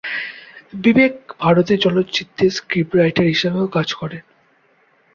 বিবেক ভারতে চলচ্চিত্রের script writer হিসেবেও কাজ করেন।